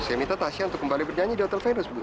saya minta tasya untuk kembali bernyanyi di hotel venus bu